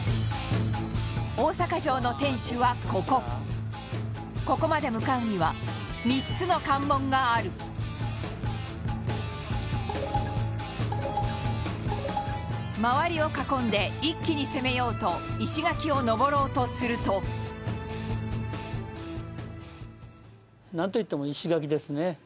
大阪城の天守閣は、ここここまで向かうには３つの関門がある周りを囲んで一気に攻めようと石垣を登ろうとするとなんといっても、石垣ですね。